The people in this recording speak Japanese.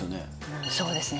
うんそうですね